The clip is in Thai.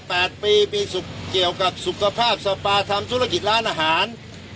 แปดปีมีสุขเกี่ยวกับสุขภาพสปาทำธุรกิจร้านอาหาร